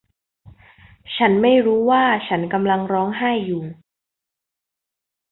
ฉันไม่รู้ว่าฉันกำลังร้องไห้อยู่